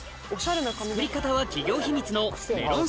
作り方は企業秘密のうん。